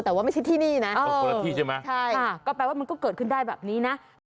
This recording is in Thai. แต่ว่าไม่ใช่ที่นี่นะก็แปลว่ามันก็เกิดขึ้นได้แบบนี้นะ